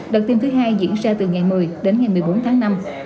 đợt tiêm thứ hai diễn ra từ ngày một mươi đến ngày một mươi bốn tháng năm